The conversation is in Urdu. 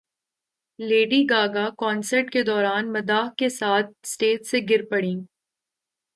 لیڈی گاگا کنسرٹ کے دوران مداح کے ساتھ اسٹیج سے گر پڑیں